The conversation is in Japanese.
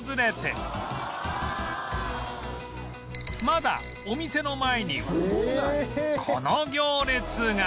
まだお店の前にはこの行列が